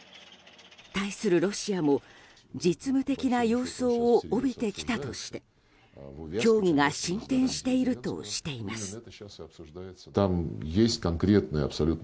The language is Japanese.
対するロシアも実務的な様相を帯びてきたとして協議が進展しているとしています。